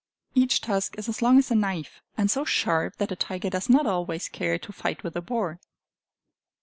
Each tusk is as long as a knife, and so sharp that a tiger does not always care to fight with a boar.